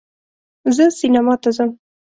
زه سینما ته ځم